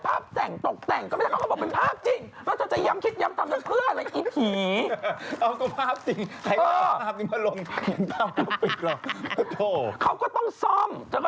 ภาพแต่งตกแต่งก็ไม่ได้เค้าเอามาบอกเป็นภาพจริง